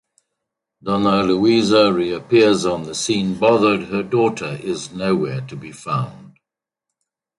Dona Luisa reappears on the scene bothered her daughter is nowhere to be found.